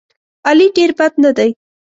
علي ډېر بد نه دی.